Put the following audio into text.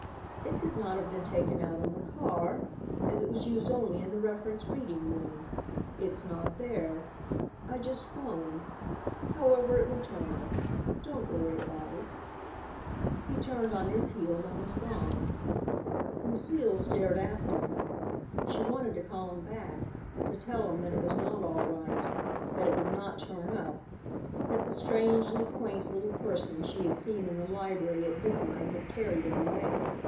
"It could not have been taken out on the car, as it was used only in the reference reading room. It's not there. I just phoned. However, it will turn up. Don't worry about it." He turned on his heel and was gone. Lucile stared after him. She wanted to call him back, to tell him that it was not all right, that it would not turn up, that the strangely quaint little person she had seen in the library at midnight had carried it away.